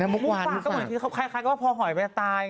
มุกฝากก็เหมือนคิดค่อยก็ว่าพอหอยไปตาย